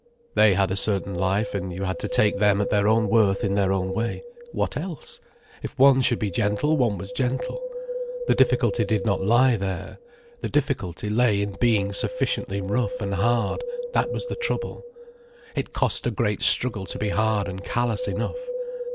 They had a certain life, and you had to take them at their own worth in their own way. What else! If one should be gentle, one was gentle. The difficulty did not lie there. The difficulty lay in being sufficiently rough and hard: that was the trouble. It cost a great struggle to be hard and callous enough.